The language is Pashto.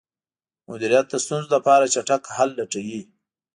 مدیریت د ستونزو لپاره چټک حل لټوي.